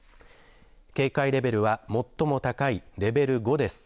警戒レベルは最も高いレベル５です。